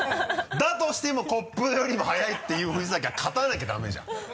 だとしてもコップよりも早いって言う藤崎が勝たなきゃダメじゃん。